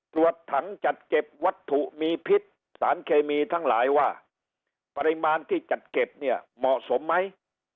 ตรวจถังจัดเก็บวัตถุมีพิษสารเคมีทั้งหลายว่าปริมาณที่จัดเก็บเนี่ยเหมาะสมไหม